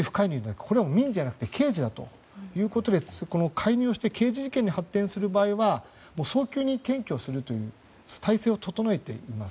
これは民事じゃなくて刑事だということで介入して刑事事件に発展する場合は早急に検挙する体制を整えています。